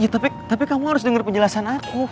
ya tapi kamu harus denger penjelasan aku